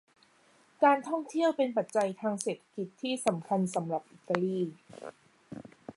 การท่องเที่ยวเป็นปัจจัยทางเศรษฐกิจที่สำคัญสำหรับอิตาลี